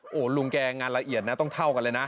โอ้โหลุงแกงานละเอียดนะต้องเท่ากันเลยนะ